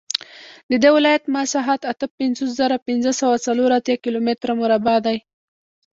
د دې ولایت مساحت اته پنځوس زره پنځه سوه څلور اتیا کیلومتره مربع دی